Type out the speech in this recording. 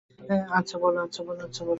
আচ্ছা, বলো।